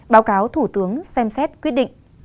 báo cáo thủ tướng xem xét quyết định